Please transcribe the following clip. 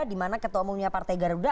di mana ketua umumnya partai garuda